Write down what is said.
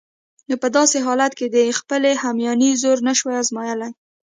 نو په داسې حالت کې د خپلې همیانۍ زور نشو آزمایلای.